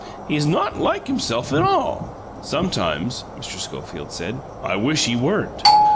He's not like himself at all." "Sometimes," Mr. Schofield said, "I wish he weren't."